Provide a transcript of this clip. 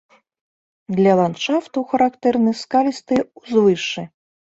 Для ландшафтаў характэрны скалістыя ўзвышшы.